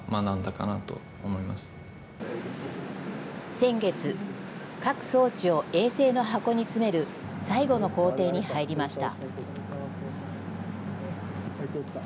先月、各装置を衛星の箱に詰める最後の工程に入りました。